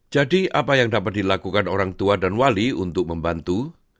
jadi apa yang dapat dilakukan orang tua dan wali untuk membantu